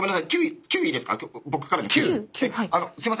すいません。